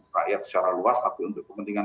rakyat secara luas tapi untuk kepentingan